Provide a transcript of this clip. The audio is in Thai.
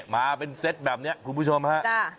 มาเป็นเซตแบบนี้คุณผู้ชมฮะ